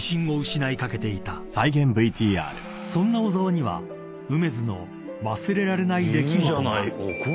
［そんな小澤には梅津の忘れられない出来事が］